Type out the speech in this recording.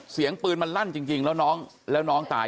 เสียงปืนมันรั่นจริงแล้วน้องตาย